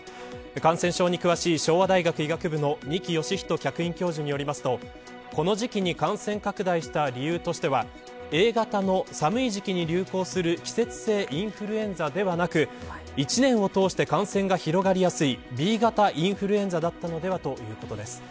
感染症に詳しい昭和大学医学部の二木芳人客員教授によりますとこの時期に感染拡大した理由としてはＡ型の季節性インフルエンザではなく、１年を通して感染が広がりやすいＢ型インフルエンザだったのではといいます。